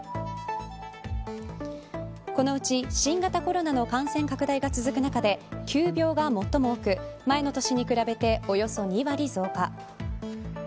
このうち、新型コロナの感染拡大が続く中で急病が最も多く前の年に比べておよそ２割増加。